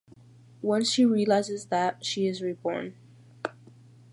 Once she realizes that, she is reborn.